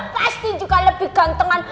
pasti juga lebih gantengan